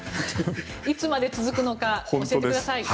いつまで続くのか教えてください。